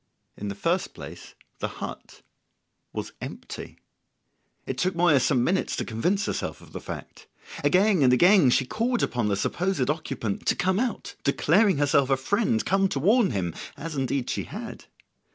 In the first place the hut was empty. It took Moya some minutes to convince herself of the fact. Again and again she called upon the supposed occupant to come out declaring herself a friend come to warn him, as indeed she had.